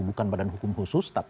bukan badan hukum khusus